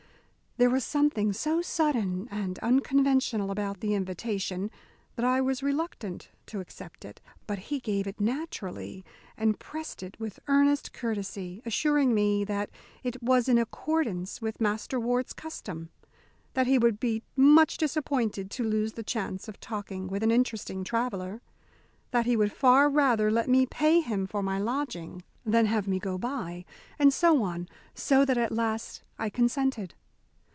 There was something so sudden and unconventional about the invitation that I was reluctant to accept it; but he gave it naturally and pressed it with earnest courtesy, assuring me that it was in accordance with Master Ward's custom, that he would be much disappointed to lose the chance of talking with an interesting traveller, that he would far rather let me pay him for my lodging than have me go by, and so on so that at last I consented.